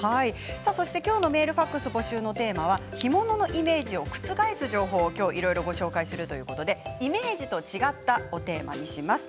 今日のメール、ファックス募集のテーマは干物のイメージを覆す情報をいろいろご紹介するということでイメージと違ったということをテーマにします。